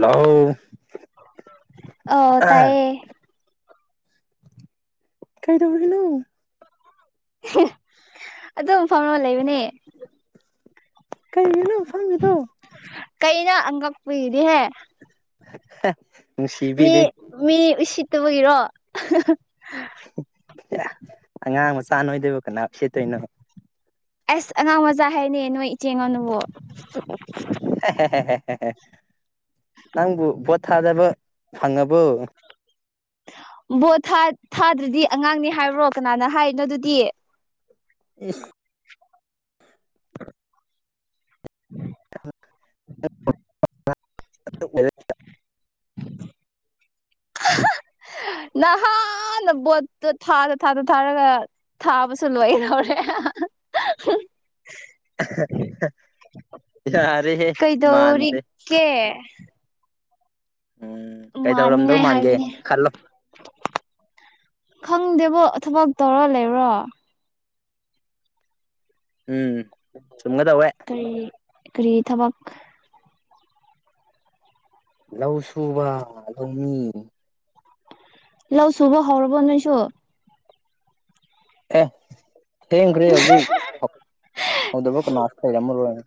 ꯂꯧ ꯑꯧ ꯑꯥ ꯇꯥꯏꯌꯦ ꯀꯔꯤ ꯇꯧꯕꯗꯅꯣ [unintelligible] ꯑꯗꯨꯝ ꯐꯝꯃꯥ ꯂꯩꯌꯨꯅꯦ ꯀꯩꯒꯤꯅ ꯐꯝꯃꯤꯗꯣ ꯀꯩꯅꯣ ꯑꯪꯒꯛꯄꯤꯗꯤꯍꯦ [unintelligible] ꯃꯤ ꯃꯤ ꯎꯁꯤꯠꯇꯕꯒꯤꯔꯣ [unintelligible] [unintelligible] ꯑꯉꯥꯡ ꯃꯆꯥ ꯅꯣꯏꯗꯣꯏꯕꯨ ꯀꯅꯥ ꯎꯁꯦꯠꯇꯣꯏꯅꯣ ꯑꯁ ꯑꯉꯥꯡ ꯃꯆꯥ ꯍꯥꯏꯅꯦ ꯅꯣꯏ ꯏꯆꯦ ꯑꯩꯉꯣꯟꯗꯕꯨ [unintelligible] ꯅꯪꯕꯨ ꯚꯣꯠ ꯊꯥꯗꯕ ꯐꯪꯉꯕꯣ ꯚꯣꯠ ꯊꯥ ꯊꯥꯗ꯭ꯔꯗꯤ ꯑꯉꯥꯡꯅꯤ ꯍꯥꯏꯕ꯭ꯔꯣ ꯀꯅꯥꯅ ꯍꯥꯏꯔꯤꯅꯣ ꯑꯗꯨꯗꯤ ꯏꯁ [inaudible] [unintelligible] ꯅꯍꯥꯟꯅ ꯕꯣꯠꯇꯣ ꯊꯥꯗ ꯊꯥꯗ ꯊꯥꯗ ꯊꯥꯗꯅ ꯊꯥꯕꯁꯨ ꯂꯣꯏꯍꯧꯔꯦ [unintelligible] [unintelligible] ꯌꯥꯔꯦꯍꯦ ꯃꯥꯟꯗ ꯀꯦ ꯎꯝ ꯀꯩꯗꯧꯔꯝꯗꯧ ꯃꯥꯅꯤꯡꯉꯥꯏ ꯃꯥꯟꯒꯦ ꯍꯥꯏꯕꯅꯦ ꯈꯜꯂꯣ ꯈꯪꯗꯦꯕꯣ ꯊꯕꯛ ꯇꯧꯔ ꯂꯩꯕ꯭ꯔꯣ ꯎꯝ ꯆꯨꯝꯒꯗꯧꯋꯦ ꯀꯔꯤ ꯀꯔꯤ ꯊꯕꯛ ꯂꯧ ꯁꯨꯕ ꯂꯧꯃꯤ ꯂꯧ ꯁꯨꯕ ꯍꯧꯔꯕꯣ ꯅꯣꯏꯁꯨ ꯑꯦ ꯊꯦꯡꯈ꯭ꯔꯦ ꯍꯧꯖꯤꯛ [unintelligible] ꯍꯧꯗꯕ ꯀꯅꯥꯁꯨ ꯂꯩꯔꯝꯃꯔꯣꯏ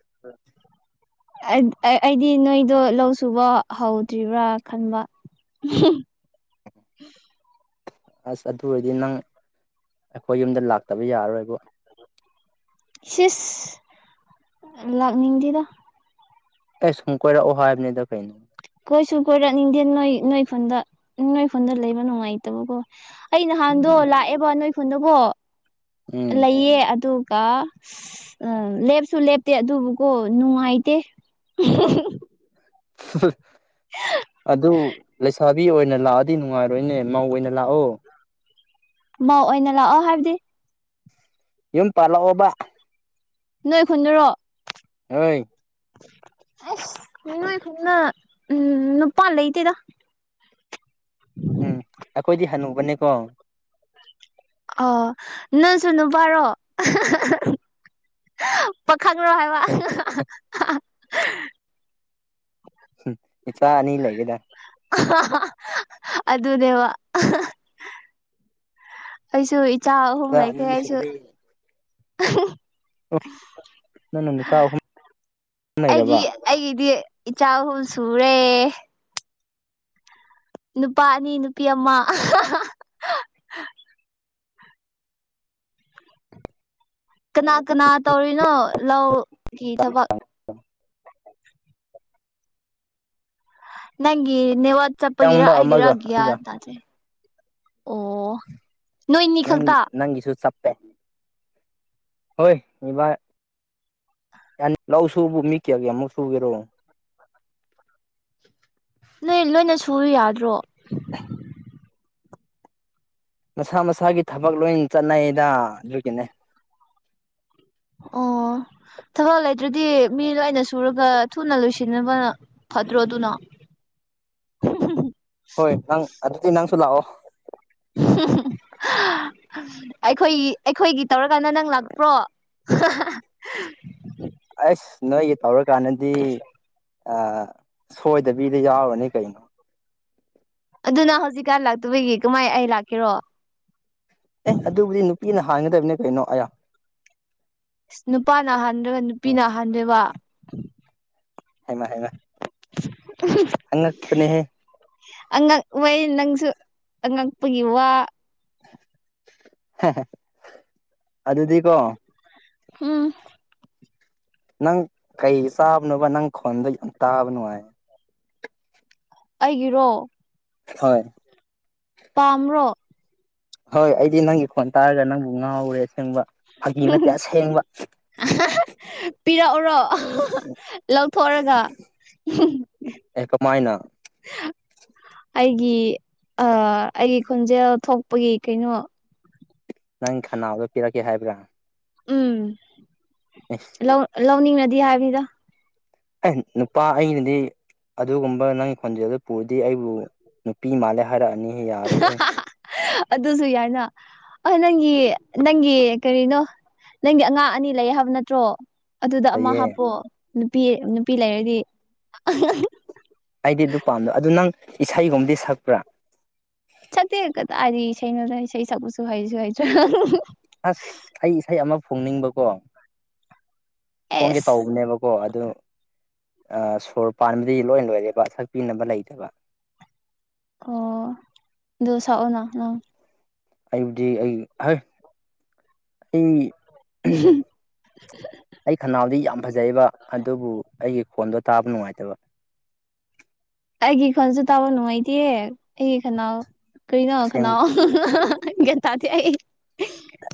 ꯑꯩ ꯑꯩꯗꯤ ꯅꯣꯏꯗꯣ ꯂꯧ ꯁꯨꯕ ꯍꯧꯗ꯭ꯔꯤꯕ꯭ꯔꯥ ꯈꯟꯕ [unintelligible] ꯑꯁ ꯑꯗꯨ ꯑꯣꯏꯔꯗꯤ ꯅꯪ ꯑꯩꯈꯣꯏ ꯌꯨꯝꯗ ꯂꯥꯛꯇꯕ ꯌꯥꯔꯔꯣꯏꯕꯨ [unintelligible] ꯂꯥꯛꯅꯤꯡꯗꯦꯗ ꯑꯩ ꯁꯨꯝ ꯀꯣꯏꯔꯛꯑꯣ ꯍꯥꯏꯕꯅꯤꯗ ꯀꯩꯅꯣ ꯀꯣꯏꯁꯨ ꯀꯣꯏꯔꯛꯅꯤꯡꯗꯦ ꯅꯣꯏ ꯅꯣꯏꯈꯣꯟꯗ ꯅꯣꯏꯈꯣꯟꯗ ꯂꯩꯕ ꯅꯨꯡꯉꯥꯏꯇꯕꯀꯣ ꯑꯩ ꯅꯍꯥꯟꯗꯣ ꯂꯥꯛꯑꯦꯕ ꯅꯣꯏ ꯈꯨꯟꯗꯀꯣ ꯎꯝ ꯂꯩꯌꯦ ꯑꯗꯨꯒ ꯑ ꯂꯦꯞꯁꯨ ꯂꯦꯞꯇꯦ ꯑꯗꯨꯕꯨꯀꯣ ꯅꯨꯡꯉꯥꯏꯇꯦ ꯑꯗꯨ ꯂꯩꯁꯥꯕꯤ ꯑꯣꯏꯅ ꯂꯥꯛꯑꯗꯤ ꯅꯨꯡꯉꯥꯏꯔꯣꯏꯅꯦ ꯃꯧ ꯑꯣꯏꯅ ꯂꯥꯛꯑꯣ ꯃꯧ ꯑꯣꯏꯅ ꯂꯥꯛꯑꯣ ꯍꯥꯏꯕꯗꯤ ꯌꯨꯝ ꯄꯥꯜꯂꯛꯑꯣꯕ ꯅꯣꯏ ꯈꯨꯟꯗꯔꯣ ꯍꯏ ꯑꯁ [unintelligible] ꯒꯨꯝꯅ ꯎꯝ ꯅꯄꯥ ꯂꯩꯇꯦꯗ ꯎꯝ ꯑꯩꯈꯣꯏꯗꯤ ꯍꯅꯨꯕꯅꯦꯀꯣ ꯑ ꯅꯪ ꯁꯨ ꯅꯨꯨꯄꯔꯣ ꯄꯈꯪꯔꯣ ꯍꯥꯏꯕ ꯍꯨꯝ ꯏꯆꯥ ꯑꯅꯤ ꯂꯩꯔꯦꯗ ꯑꯗꯨꯅꯦꯕ ꯑꯩꯁꯨ ꯏꯆꯥ ꯑꯍꯨꯝ ꯏꯆꯥ ꯂꯩꯈ꯭ꯔꯦ ꯑꯅꯤ ꯑꯩꯁꯨ ꯁꯨꯔꯦ ꯑꯣ ꯅꯪꯅ ꯅꯨꯄꯥ ꯑꯍꯨꯝ ꯑꯩꯒꯤ ꯂꯩꯔꯦꯕ ꯑꯩꯒꯤꯗꯤ ꯏꯆꯥ ꯑꯍꯨꯝ ꯁꯨꯔꯦ ꯅꯨꯄꯥ ꯑꯅꯤ ꯅꯨꯄꯤ ꯑꯃ ꯀꯅꯥ ꯀꯅꯥ ꯇꯧꯔꯤꯅꯣ ꯂꯧꯒꯤ ꯊꯕꯛ [inaudible] ꯅꯪꯒꯤ ꯅꯦꯠꯋꯥꯛ ꯆꯞꯒꯤꯔ ꯏꯌꯥꯝꯕ ꯑꯩꯒꯤꯔ ꯑꯃꯒ ꯒ꯭ꯌꯥꯟ ꯑꯩꯒ ꯇꯗ꯭ꯔꯦ ꯑꯣ ꯅꯣꯏꯅꯤ ꯅꯪꯒꯤ ꯈꯛꯇ ꯅꯪꯒꯤꯁꯨ ꯆꯞꯄꯦ ꯍꯣꯏ [unintelligible] ꯌꯥ [unintelligible] ꯂꯧ ꯁꯨꯕꯨ ꯃꯤ ꯀꯌꯥ ꯌꯥꯝꯃ ꯁꯨꯒꯦꯔꯣ ꯅꯣꯏ ꯂꯣꯏꯅ ꯁꯨꯨꯔꯥ ꯌꯥꯗ꯭ꯔꯣ ꯃꯁꯥ ꯃꯁꯥꯒꯤ ꯊꯕꯛ ꯂꯣꯏꯟ ꯆꯠꯅꯩꯗꯥ ꯑꯗꯨꯒꯤꯅꯦ ꯑꯣ ꯊꯕꯛ ꯂꯩꯇ꯭ꯔꯗꯤ ꯃꯤ ꯂꯣꯏꯅ ꯁꯨꯔꯒ ꯊꯨꯅ ꯂꯣꯏꯁꯤꯟꯅꯕꯅ ꯐꯠꯇ꯭ꯔꯣ ꯑꯗꯨꯅ ꯍꯣꯏ ꯅꯪ ꯑꯗꯨꯗꯤ ꯅꯪꯁꯨ ꯂꯥꯛꯑꯣ ꯑꯩꯈꯣꯏꯒꯤ ꯑꯩꯈꯣꯏꯒꯤ ꯇꯧꯔꯀꯥꯟꯗ ꯅꯪ ꯂꯥꯛꯄ꯭ꯔꯣ ꯑꯁ ꯅꯣꯏꯒꯤ ꯇꯧꯔꯀꯥꯟꯗꯗꯤ ꯑ ꯁꯣꯏꯗꯕꯤꯗ ꯌꯥꯎꯔꯅꯤ ꯀꯩꯅꯣ ꯑꯗꯨꯅ ꯍꯧꯖꯤꯛꯀꯥꯟ ꯂꯥꯛꯇꯕꯒꯤ ꯀꯃꯥꯏ ꯑꯩ ꯂꯥꯛꯀꯦꯔꯣ ꯑꯦ ꯑꯗꯨꯕꯨꯗꯤ ꯅꯨꯄꯤꯅ ꯍꯥꯟꯒꯗꯕꯅꯦ ꯀꯩꯅꯣ ꯑꯌꯥ ꯏꯁ ꯅꯨꯄꯥꯅ ꯍꯟꯗ꯭ꯔꯒ ꯅꯨꯄꯤꯅ ꯍꯟꯗꯣꯏꯕ ꯍꯩꯃ ꯍꯩꯃ ꯑ ꯑꯉꯛꯄꯅꯦꯍꯦ ꯑꯉꯛꯄꯅꯤ ꯅꯪꯁꯨ ꯑꯉꯛꯄꯒꯤ ꯋꯥ ꯑꯗꯨꯗꯤ ꯀꯣ ꯍꯨꯝ ꯅꯪ ꯀꯩ ꯆꯥꯕꯅꯣꯕ ꯅꯪ ꯈꯣꯟꯗꯣ ꯌꯥꯝ ꯇꯥꯕ ꯅꯨꯡꯉꯥꯏ ꯑꯩꯒꯤꯔꯣ ꯍꯣꯏ ꯄꯥꯝꯕ꯭ꯔꯣ ꯍꯣꯏ ꯑꯩꯗꯤ ꯅꯪꯒꯤ ꯈꯣꯟ ꯇꯥꯔꯒ ꯅꯪꯕꯨ ꯉꯥꯎꯔꯦ ꯑꯁꯦꯡꯕ ꯐꯒꯤ ꯅꯠꯇꯦ ꯑꯁꯦꯡꯕ ꯄꯤꯔꯛꯎꯔꯣ ꯂꯧꯊꯣꯛꯔꯒ꯫ [unintelligible] ꯑꯦꯀꯃꯥꯏꯅ꯫ ꯑꯩꯒꯤ ꯑ ꯑꯩꯒꯤ ꯈꯣꯟꯖꯦꯜ ꯊꯣꯛꯄꯒꯤ ꯀꯩꯅꯣ꯫ ꯅꯪ ꯈꯅꯥꯎꯗꯣ ꯄꯤꯔꯛꯀꯦ ꯍꯥꯏꯕ꯭ꯔꯥ꯫ ꯎꯝ꯫ ꯎ꯫ ꯂꯧ ꯂꯧꯅꯤꯡꯂꯗꯤ ꯍꯥꯏꯕꯤꯗ ꯑꯦ ꯅꯨꯄꯥ ꯑꯩꯅꯗꯤ ꯑꯗꯨꯒꯨꯝꯕ ꯅꯪꯒꯤ ꯈꯣꯟꯖꯦꯜꯗꯨ ꯄꯨꯔꯗꯤ ꯑꯩꯕꯨ꯫ ꯅꯨꯄꯤ ꯃꯥꯜꯂꯦ ꯍꯥꯏꯔꯛꯑꯅꯤꯍꯦ ꯌꯥꯔꯣꯏꯍꯦ꯫ ꯑꯗꯨꯁꯨ ꯌꯥꯏꯅ꯫ ꯑ ꯅꯪꯒꯤ ꯅꯪꯒꯤ ꯀꯔꯤꯅꯣ ꯅꯪꯒꯤ ꯑꯉꯥꯡ ꯑꯅꯤ ꯂꯩ ꯍꯥꯏꯕ ꯅꯠꯇ꯭ꯔꯣ꯫ ꯑꯗꯨꯗ ꯑꯃ ꯐꯩꯌꯦ ꯍꯥꯞꯄꯣꯑꯣ ꯅꯨꯄꯤ ꯅꯨꯄꯤ ꯂꯩꯔꯗꯤ꯫ ꯑꯩꯗꯤ ꯑꯗꯨ ꯄꯥꯝꯗꯣ ꯑꯗꯨ ꯅꯪ ꯏꯁꯩꯒꯨꯝꯕꯗꯤ ꯁꯛꯄ꯭ꯔꯥ꯫ ꯁꯥꯛꯇꯦ ꯀꯗꯥꯏꯗꯩ ꯏꯁꯩꯅꯣꯗ ꯏꯁꯩ ꯁꯥꯛꯄꯁꯨ ꯍꯥꯏꯁꯨ ꯍꯥꯏꯇꯔꯒ꯫ ꯑꯁ ꯑꯩ ꯏꯁꯩ ꯑꯃ ꯐꯣꯡꯅꯤꯡꯕꯀꯣ꯫ [unintelligible] ꯑꯦꯁ ꯇꯧꯕꯅꯦꯕꯀꯣ ꯑꯗꯨ ꯁꯣꯔ ꯄꯥꯟꯕꯗꯤ ꯂꯣꯏ ꯂꯣꯏꯔꯦ ꯄꯁꯛ ꯄꯤꯅꯕ ꯂꯩꯇꯕ꯫ ꯑꯣ ꯑꯗꯣ ꯁꯥꯛꯑꯣꯅ ꯅꯪ ꯑꯩꯕꯨꯗꯤ ꯑꯩ ꯍꯣꯏ ꯑꯩ ꯑꯩ ꯈꯅꯥꯎꯗꯤ ꯌꯥꯝ ꯐꯖꯩꯕ ꯑꯗꯨꯕꯨ ꯑꯩꯒꯤ ꯈꯣꯟꯗꯣ ꯇꯥꯕ ꯅꯨꯡꯉꯥꯏꯇꯕ꯫ ꯑꯩꯒꯤ ꯈꯣꯟꯁꯨ ꯇꯥꯕ ꯅꯨꯡꯉꯥꯏꯇꯦ ꯑꯩꯒꯤ ꯈꯅꯥꯎ ꯀꯩꯅꯣ ꯑꯁꯦꯡ ꯈꯅꯥꯎ꯫ ꯑꯩ ꯒꯌꯟ ꯇꯗꯦ ꯑꯩ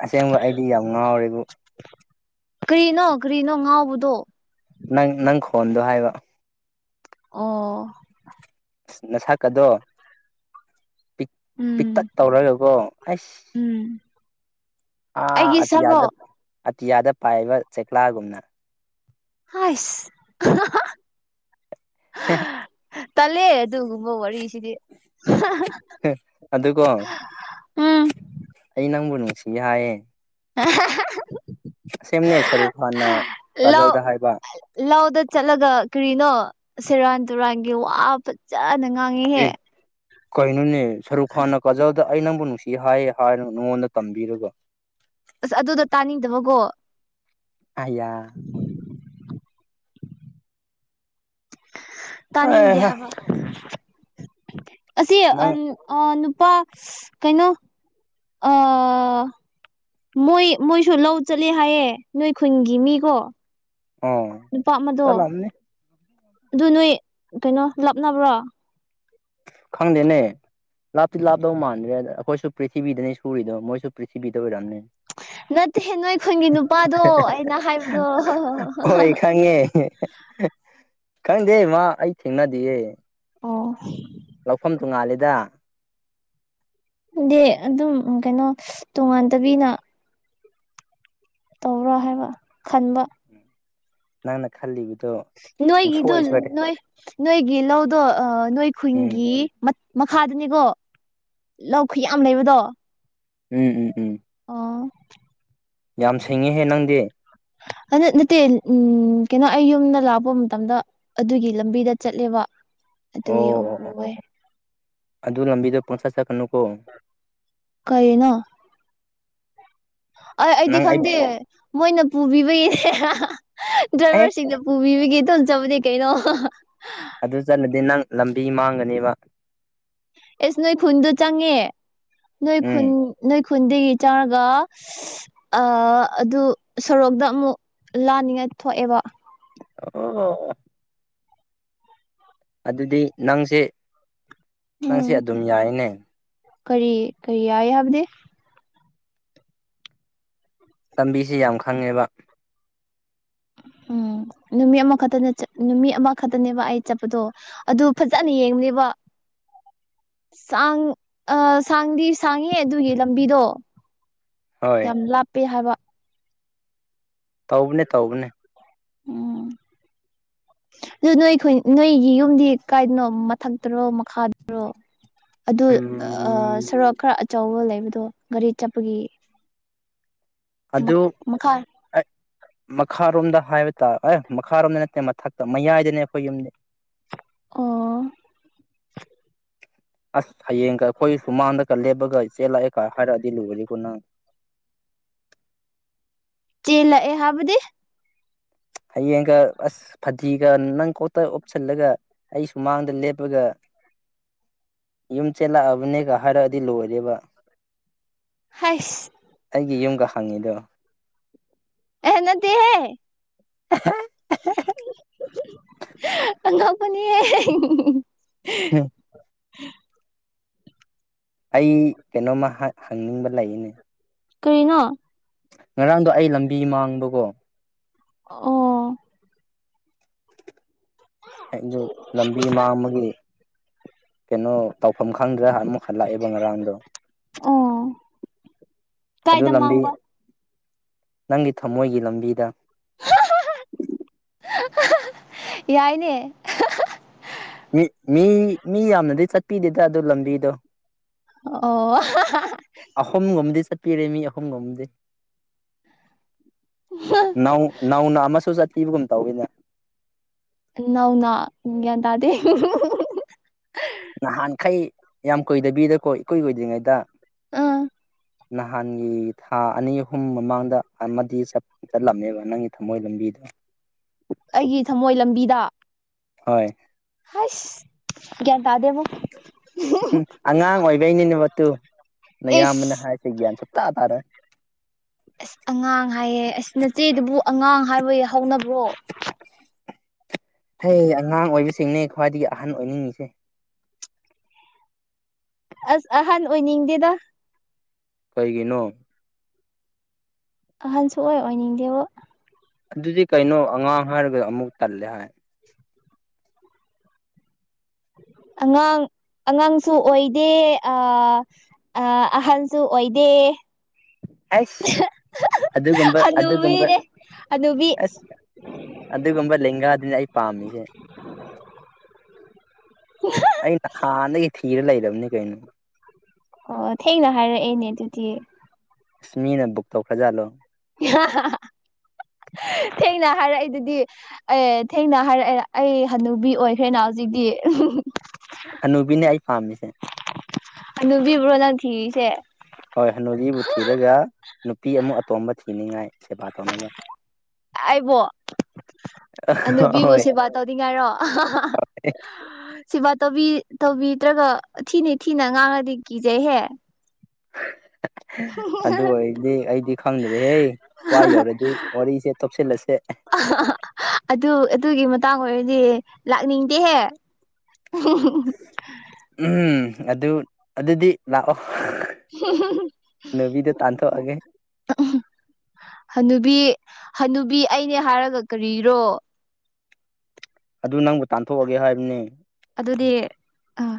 ꯑꯁꯦꯡꯕ ꯑꯩꯗꯤ ꯌꯥꯝ ꯉꯥꯎꯔꯦꯕꯨ꯫ ꯀꯔꯤꯅꯣ ꯀꯔꯤꯅꯣ ꯉꯥꯎꯕꯗꯣ꯫ ꯅꯪ ꯅꯪ ꯈꯣꯟꯗꯣ ꯍꯥꯏꯕ꯫ ꯑꯣ꯫ ꯅꯁꯛ ꯑꯗꯣ ꯎꯝ ꯄꯤꯛꯇꯛ ꯇꯧꯔꯒꯀꯣ ꯑꯁ ꯎꯝ ꯑꯥ ꯑꯩꯒꯤ ꯁꯛꯔꯣ ꯑꯇꯤꯌꯥꯗ ꯑꯇꯤꯌꯥꯗ ꯄꯥꯏꯕ ꯆꯦꯛꯀ꯭ꯂꯥꯒꯨꯝꯅ꯫ ꯍꯁ꯫ [inaudible] ꯇꯂꯦ ꯑꯗꯨꯒꯨꯝꯕ ꯋꯥꯔꯤꯁꯤꯗꯤ꯫ ꯑꯗꯨꯀꯣ꯫ ꯎꯝ ꯑꯩ ꯅꯪꯕꯨ ꯅꯨꯡꯁꯤꯒꯦ ꯍꯥꯏꯌꯦ꯫ [unintelligible] ꯁꯦꯝꯅꯦ ꯁꯔꯨꯛ ꯈꯥꯟꯅ ꯀꯥꯖꯜꯗ ꯍꯥꯏꯕ꯫ ꯂꯥꯎꯗ ꯆꯠꯂꯒ ꯀꯔꯤꯅꯣ ꯁꯦꯔꯥꯟ ꯇꯨꯔꯥꯟꯒꯤ ꯋꯥ ꯐꯖꯅ ꯉꯥꯡꯉꯦꯍꯦ꯫ ꯑꯦ ꯀꯩꯅꯣꯅꯦ ꯁꯔꯨꯛ ꯈꯥꯟꯅ ꯀꯥꯖꯜꯗ ꯑꯩ ꯅꯪꯕꯨ ꯅꯨꯡꯁꯤ ꯍꯥꯏꯌꯦ ꯍꯥꯏꯅ ꯅꯉꯣꯟꯗ ꯇꯝꯕꯤꯔꯒ꯫ ꯑꯁ ꯑꯗꯨꯗꯣ ꯇꯥꯅꯤꯡꯗꯕꯀꯣ꯫ ꯑꯌꯥ꯫ ꯇꯥꯅꯤꯡꯗꯦ ꯑꯦꯍ ꯍꯥꯏꯕ ꯑꯁꯤ ꯅꯪ ꯑꯟ꯫ ꯑ ꯅꯨꯄꯥ ꯀꯩꯅꯣ ꯑꯥ ꯃꯣꯏ ꯃꯣꯏꯁꯨ ꯂꯧ ꯆꯠꯂꯦ ꯍꯥꯏꯌꯦ ꯅꯣꯏ ꯈꯨꯟꯒꯤ ꯃꯤꯀꯣ꯫ ꯑꯣ ꯅꯨꯄꯥ ꯑꯃꯗꯣ ꯆꯥꯠꯂꯝꯅꯤ꯫ ꯑꯗꯨ ꯅꯣꯏ ꯀꯩꯅꯣ ꯂꯥꯞꯅꯕ꯭ꯔꯣ꯫ ꯈꯪꯗꯦꯅꯦ ꯂꯥꯞꯇꯤ ꯂꯥꯞꯇꯧ ꯃꯥꯟꯗ꯭ꯔꯦꯗ ꯑꯩꯈꯣꯏꯁꯨ ꯄ꯭ꯔꯤꯊꯤꯕꯤꯗꯅꯤ ꯁꯨꯔꯤꯗꯣ ꯃꯣꯏꯁꯨ ꯄ꯭ꯔꯤꯊꯤꯕꯤꯗ ꯑꯣꯏꯔꯝꯅꯤ ꯅꯠꯇꯦ ꯅꯣꯏ ꯈꯨꯟꯒꯤ ꯅꯨꯄꯥꯗꯣ ꯑꯩꯅ ꯍꯥꯏꯕꯗꯣ [unintelligible] ꯈꯪꯗꯦ ꯃꯥ ꯑꯩ ꯊꯦꯡꯅꯗꯤꯌꯦ ꯑꯣ ꯂꯧꯐꯝ ꯇꯣꯡꯉꯥꯜꯂꯤꯗ ꯗꯦ ꯑꯗꯨꯝ ꯀꯩꯅꯣ ꯇꯣꯉꯥꯟꯗꯕꯤꯅ ꯇꯧꯕ꯭ꯔꯥ ꯍꯥꯏꯕ ꯈꯟꯕ ꯅꯪꯅ ꯈꯜꯂꯤꯕꯗꯣ ꯅꯣꯏꯒꯤꯗꯣ ꯄꯨꯡꯁꯣꯏ ꯁꯣꯏꯔꯦ ꯅꯣꯏ ꯅꯣꯏꯒꯤ ꯂꯧꯗꯣ ꯑ ꯅꯣꯏ ꯎꯝ ꯈꯨꯟꯒꯤ‌ ꯃꯠ ꯃꯈꯥꯗꯨꯅꯤꯀꯣ ꯂꯧ ꯈꯨꯌꯥꯝ ꯂꯩꯕꯗꯣ ꯎꯝ ꯎꯝ ꯎꯝ ꯑꯣ ꯌꯥꯝ ꯁꯤꯡꯉꯤꯍꯦ ꯅꯪꯗꯤ ꯍꯟꯗꯠ ꯅꯠꯇꯦ ꯎꯝ ꯀꯩꯅꯣ ꯑꯩ ꯌꯨꯝꯗ ꯂꯥꯛꯄ ꯃꯇꯝꯗ ꯑꯗꯨꯒꯤ ꯂꯝꯕꯤꯗ ꯆꯠꯂꯦꯕ ꯑꯣ ꯑꯗꯨꯒꯤ ꯎ ꯑꯣ ꯑꯣ ꯎꯋꯦ ꯑꯗꯨ ꯂꯝꯕꯤꯗ ꯄꯣꯟꯆꯠ ꯆꯠꯀꯅꯨꯀꯣ ꯀꯩꯅꯣ ꯑꯥꯏ ꯑꯩꯗꯤ ꯅꯪ ꯑꯩ ꯈꯪꯗꯦ ꯃꯣꯏꯅ ꯄꯨꯕꯤꯕꯒꯤꯅꯦ ꯑꯦ ꯁꯤꯡꯗ ꯄꯨꯕꯤꯕꯒꯤ ꯑꯗꯨꯝ ꯆꯠꯄꯅꯤ ꯀꯩꯅꯣ ꯑꯗꯨ ꯆꯠꯂꯗꯤ ꯅꯪ ꯂꯝꯕꯤ ꯃꯥꯡꯒꯅꯦꯕ ꯑꯦꯁ ꯅꯣꯏ ꯈꯨꯟꯗꯣ ꯆꯪꯉꯦ ꯅꯣꯏ ꯈꯨꯟ ꯎꯝ ꯅꯣꯏ ꯈꯨꯟꯗꯒꯤ ꯆꯥꯔꯒ ꯑ ꯑꯗꯨ ꯁꯣꯔꯣꯛꯗ ꯑꯃꯨꯛ ꯂꯥꯅꯤꯡꯉꯥꯏ ꯊꯣꯛꯑꯦꯕ ꯑꯣ ꯑꯣ ꯑꯣ ꯑꯗꯨꯗꯤ ꯅꯪꯁꯦ ꯎꯝ ꯅꯪꯁꯦ ꯑꯗꯨꯝ ꯌꯥꯏꯅꯦ ꯀꯔꯤ ꯀꯔꯤ ꯌꯥꯏ ꯍꯥꯏꯕꯗꯤ ꯂꯝꯕꯤꯁꯦ ꯌꯥꯝ ꯈꯪꯉꯦꯕ ꯎꯝ ꯅꯨꯃꯤꯠ ꯑꯃꯈꯛꯇꯅꯦ ꯆꯠ ꯅꯨꯃꯤꯠ ꯑꯃꯈꯛꯇꯅꯦꯕ ꯑꯩ ꯆꯠꯕꯗꯣ ꯑꯗꯨ ꯐꯖꯅ ꯌꯦꯡꯕꯅꯦꯕ ꯁꯥꯡ ꯑ ꯁꯥꯡꯗꯤ ꯁꯥꯡꯉꯦ ꯑꯗꯨꯒꯤ ꯂꯝꯕꯤꯗꯣ ꯍꯣꯏ ꯌꯥꯝ ꯂꯥꯞꯄꯦ ꯍꯥꯏꯕ ꯇꯧꯕꯅꯦ ꯇꯧꯕꯅꯦ ꯎꯝ ꯑꯗꯨ ꯅꯣꯏꯈ ꯅꯣꯏꯒꯤ ꯌꯨꯝꯗꯤ ꯀꯥꯏꯗꯅꯣ ꯃꯊꯛꯇꯔꯣ ꯃꯈꯥꯗꯔꯣ ꯑꯗꯨ ꯑ ꯎꯝ ꯁꯣꯔꯣꯛ ꯈꯔ ꯑꯆꯧꯕ ꯂꯩꯕꯗꯣ ꯒꯥꯔꯤ ꯆꯠꯄꯒꯤ ꯑꯗꯨ ꯃꯈꯥ ꯑꯩ ꯃꯈꯥꯔꯣꯝꯗ ꯍꯥꯏꯕ ꯇꯥ ꯑꯦ ꯃꯈꯥꯔꯣꯝꯗ ꯅꯠꯇꯦ ꯃꯊꯛꯇ ꯃꯌꯥꯏꯗꯅꯦ ꯑꯩꯈꯣꯏ ꯌꯨꯝꯗꯤ ꯑꯣ ꯑꯁ ꯍꯌꯦꯡꯒ ꯑꯩꯈꯣꯏ ꯁꯨ ꯃꯥꯡꯗꯒ ꯂꯦꯞꯄꯒ ꯏ ꯆꯦꯜ ꯂꯥꯛꯑꯦ ꯀ ꯍꯥꯏꯔꯛꯑꯗꯤ ꯂꯣꯏꯔꯦꯀꯣ ꯅꯪ ꯆꯦꯜꯂꯛꯑꯦ ꯍꯥꯕꯗꯤ ꯍꯌꯦꯡꯒ ꯑꯁ ꯐꯗꯤꯒ ꯅꯪ ꯀꯣꯛꯇ ꯑꯨꯞꯁꯜꯂꯒ ꯑꯩ ꯁꯨꯃꯥꯡꯗ ꯂꯦꯞꯄꯒ ꯌꯨꯝ ꯆꯦꯜꯂꯛꯑꯕꯅꯦꯒ ꯍꯥꯏꯔꯛꯑꯗꯤ ꯂꯣꯏꯔꯦꯕ ꯍꯩ꯭ꯁ ꯑꯩꯒꯤ ꯌꯨꯝꯒ ꯍꯪꯉꯤꯗꯣ ꯑꯦꯍ ꯅꯠꯇꯦꯍꯦ [inaudible] ꯃꯅꯤ [unintelligible] ꯎꯝ [unintelligible] ꯑꯩ ꯀꯩꯅꯣꯝꯃ ꯍꯪ ꯍꯪꯅꯤꯡꯕ ꯂꯩꯌꯦꯅꯦ ꯀꯔꯤꯅꯣ ꯉꯔꯥꯡꯗꯣ ꯑꯩ ꯂꯝꯕꯤ ꯃꯥꯡꯕꯀꯣ ꯑꯣ ꯑꯩꯗꯣ ꯂꯝꯕꯤ ꯃꯥꯡꯕꯒꯤ ꯀꯩꯅꯣ ꯇꯧꯐꯝ ꯈꯪꯗ꯭ꯔꯥ ꯑꯃꯨꯛ ꯍꯜꯂꯛꯑꯦꯕ ꯉꯔꯥꯡꯗꯣ ꯑꯣ ꯑꯗꯨ ꯀꯥꯏꯗ ꯂꯝꯕꯤ ꯃꯥꯡꯕ ꯅꯪꯒꯤ ꯊꯝꯃꯣꯏꯒꯤ ꯂꯝꯕꯤꯗ ꯌꯥꯏꯅꯦ ꯃꯤ ꯃꯤ ꯃꯤ ꯌꯥꯝꯅꯗꯤ ꯆꯠꯄꯤꯗꯦꯗ ꯑꯗꯨ ꯂꯝꯕꯤꯗꯣ ꯑꯣ ꯑꯍꯨꯝꯒꯨꯝꯗꯤ ꯆꯠꯄꯤꯔꯦ ꯃꯤ ꯑꯍꯨꯝꯒꯨꯝꯗꯤ [inaudible] ꯅꯧ ꯅꯧꯅ ꯑꯃꯁꯨ ꯆꯠꯄꯤꯕꯒꯨꯝ ꯇꯧꯋꯤꯅꯦ ꯅꯧꯅ ꯒ꯭ꯌꯥꯟ ꯇꯥꯗꯦ ꯅꯍꯥꯟꯈꯩ ꯌꯥꯝ ꯀꯨꯏꯗꯕꯤꯗꯀꯣ ꯏꯀꯨꯏ ꯀꯨꯏꯗ꯭ꯔꯤꯉꯩꯗ ꯎꯝ ꯅꯍꯥꯟ ꯊꯥ ꯑꯅꯤ ꯑꯍꯨꯝ ꯃꯃꯥꯡꯗ ꯑꯃꯗꯤ ꯆꯠ ꯆꯠꯂꯝꯃꯦꯕ ꯅꯪꯒꯤ ꯊꯝꯃꯣꯏ ꯂꯝꯕꯤꯗꯣ ꯑꯩꯒꯤ ꯊꯃꯣꯏ ꯂꯝꯕꯤꯗ ꯍꯣꯏ ꯍꯩꯁ‌ ꯒ꯭ꯌꯥꯟ ꯇꯥꯗꯦꯕꯣ ꯎꯝ ꯑꯉꯥꯡ ꯑꯣꯏꯕꯩꯅꯤꯅꯦꯕ ꯃꯇꯨ ꯅꯌꯥꯝꯕꯅ ꯏꯁ ꯍꯥꯏꯗꯤ ꯒ꯭ꯌꯥꯟ ꯁꯨꯡꯇ‌ꯥ ꯇꯥꯔꯣꯏ ꯑ꯭ꯁ ꯑꯉꯥꯡ ꯍꯥꯏꯌꯦꯦ ꯑꯁ ꯅꯆꯦꯗꯨꯕꯨ ꯑꯉꯥꯡ ꯍꯥꯏꯕ ꯌꯥ ꯍꯧꯅꯕ꯭ꯔꯣ ꯍꯩ ꯑꯉꯥꯡ ꯑꯣꯏꯕꯁꯤꯡꯅꯦ ꯈ꯭ꯋꯥꯏꯗꯒꯤ ꯑꯍꯟ ꯑꯣꯏꯅꯤꯡꯉꯤꯁꯦ ꯑ꯭ꯁ ꯑꯍꯟ ꯑꯣꯏꯅꯤꯡꯗꯦꯗ ꯀꯩꯒꯤꯅꯣ ꯑꯍꯟ ꯁꯨꯡ ꯑꯣꯏ ꯑꯣꯏꯅꯤꯡꯗꯦꯕꯣ ꯑꯗꯨꯗꯤ ꯀꯩꯅꯣ ꯑꯉꯥꯡ ꯍꯥꯏꯔꯒ ꯑꯃꯨꯛ ꯇꯜꯂꯦ ꯍꯥꯏ ꯑꯉꯥꯡ ꯑꯉꯥꯡꯁꯨ ꯑꯣꯏꯗꯦ ꯑ ꯑ ꯑꯍꯟꯁꯨ ꯑꯣꯏꯗꯦ ꯑ꯭ꯁ ꯑꯗꯨꯒꯨꯝꯕ ꯑꯗꯨꯒꯨꯝꯕ ꯍꯅꯨꯕꯤꯅꯦ ꯍꯅꯨꯕꯤ ꯑ꯭ꯁ ꯑꯗꯨꯒꯨꯝꯕ ꯂꯦꯡꯒꯥꯗꯨꯅꯦ ꯑꯩ ꯄꯥꯝꯃꯤꯁꯦ [inaudible] ꯑꯩ ꯅꯍꯥꯟꯗꯒꯤ ꯊꯤꯔ ꯂꯩꯔꯕꯅꯤ ꯀꯩꯅꯣ ꯑꯣ ꯊꯦꯡꯅ ꯍꯥꯏꯔꯛꯑꯦꯅꯦ ꯑꯗꯨꯗꯤ ꯃꯤꯅ ꯕꯨꯛ ꯇꯧꯈ꯭ꯔꯖꯥꯠꯂꯣ ꯊꯦꯡꯅ ꯍꯥꯏꯔꯛꯏꯗꯨꯗꯤ ꯑꯦ ꯊꯦꯡꯅ ꯍꯥꯏꯔꯛꯑꯦ ꯑꯩ ꯍꯅꯨꯕꯤ ꯑꯣꯏꯈ꯭ꯔꯦꯅ ꯍꯧꯖꯤꯛꯇꯤ ꯍꯅꯨꯕꯤꯅꯦ ꯑꯩ ꯄꯥꯝꯃꯤꯁꯦ ꯍꯅꯨꯕꯤꯔꯣ ꯅꯪ ꯊꯤꯔꯤꯁꯦ ꯍꯣꯏ ꯍꯅꯨꯕꯤꯕꯨ ꯊꯤꯔꯒ ꯅꯨꯄꯤ ꯑꯃꯨꯛ ꯑꯇꯣꯝꯕ ꯊꯤꯅꯤꯡꯉꯥꯏ ꯁꯦꯕꯥ ꯇꯧꯅꯕ ꯑꯩꯕꯣ ꯍꯅꯨꯕꯤꯕꯨ ꯍꯣꯏ ꯁꯦꯕꯥ ꯇꯧꯅꯤꯡꯉꯥꯏꯔꯣ ꯁꯦꯕꯥ ꯇꯧꯕꯤ ꯇꯧꯕꯤꯗ꯭ꯔꯒ ꯊꯤꯅꯤ ꯊꯤꯅ ꯉꯥꯡꯉꯗꯤ ꯀꯤꯖꯩꯍꯦ ꯑꯗꯨ ꯑꯣꯏꯔꯗꯤ ꯑꯩꯗꯤ ꯈꯪꯗ꯭ꯔꯦꯍꯦ ꯁ꯭ꯋꯥꯏ ꯌꯧꯔꯗꯤ ꯋꯥꯔꯤꯁꯦ ꯊꯨꯞꯁꯤꯜꯂꯁꯦ ꯑꯗꯨ ꯑꯗꯨꯒꯤ ꯃꯇꯥꯡ ꯑꯣꯏꯔꯗꯤ ꯂꯥꯛꯅꯤꯡꯗꯦꯍꯦ [unintelligible] ꯎꯝ ꯑꯗꯨ ꯑꯗꯨꯗꯤ ꯂꯥꯛꯑꯣ ꯍꯅꯨꯕꯤꯗꯣ ꯇꯥꯟꯊꯣꯛꯑꯒꯦ ꯍꯅꯨꯕꯤ ꯍꯅꯨꯕꯤ ꯑꯩꯅꯦ ꯍꯥꯏꯔꯒ ꯀꯔꯤꯔꯣ ꯑꯗꯨ ꯅꯪꯕꯨ ꯇꯥꯟꯊꯣꯛꯑꯒꯦ ꯍꯥꯏꯕꯅꯦ ꯑꯗꯨꯗꯤ ꯑꯥ